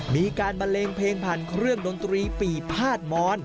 มีการบันเลงเพลงผ่านเครื่องดนตรีปีพาดมอน